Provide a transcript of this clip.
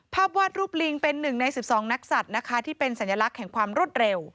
ภาพวาดรูปลิงเป็นหนึ่งใน๑๒นักสัตว์ที่เป็นสัญลักษณ์แห่งความรถเร็ว